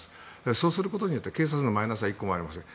そうすることによって、警察のマイナスは１個もありません。